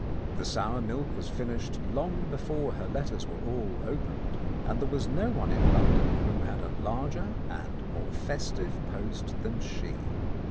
The sour milk was finished long before her letters were all opened, for there was no one in London who had a larger and more festive post than she.